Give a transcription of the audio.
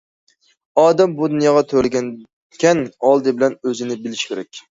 ئادەم بۇ دۇنياغا تۆرەلگەنىكەن، ئالدى بىلەن ئۆزىنى بىلىشى كېرەك.